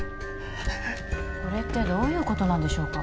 これってどういうことなんでしょうか？